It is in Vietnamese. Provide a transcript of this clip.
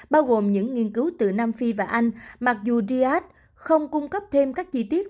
bao gồm những nghiên cứu từ nam phi và anh mặc dù das không cung cấp thêm các chi tiết